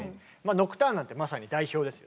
「ノクターン」なんてまさに代表ですよね。